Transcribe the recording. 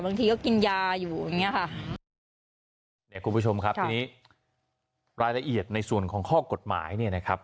บางทีก็กินยาอยู่อย่างเงี้ยค่ะเนี่ยคุณผู้ชมครับทีนี้รายละเอียดในส่วนของข้อกฎหมายเนี่ยนะครับ